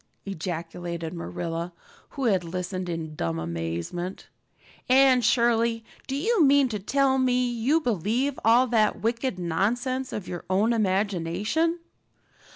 ejaculated Marilla, who had listened in dumb amazement. "Anne Shirley, do you mean to tell me you believe all that wicked nonsense of your own imagination?"